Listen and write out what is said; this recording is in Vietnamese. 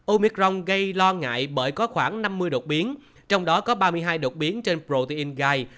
omicron gây lo ngại bởi có khoảng năm mươi đột biến trong đó có ba mươi hai đột biến trên protein guide